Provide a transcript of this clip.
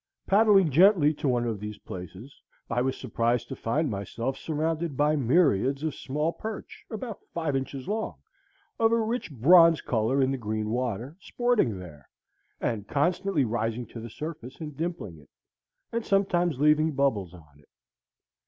Paddling gently to one of these places, I was surprised to find myself surrounded by myriads of small perch, about five inches long, of a rich bronze color in the green water, sporting there, and constantly rising to the surface and dimpling it, sometimes leaving bubbles on it.